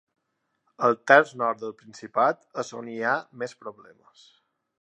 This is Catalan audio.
El terç nord del Principat és on hi ha més problemes.